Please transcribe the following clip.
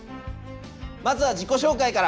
まずは自己紹介から。